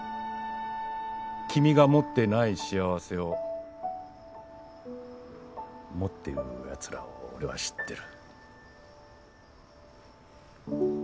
君が持っていない幸せを持ってる奴らを俺は知っている。